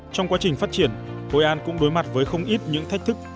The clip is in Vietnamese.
trong quá trình phát triển hội an cũng đối mặt với không ít những thách thức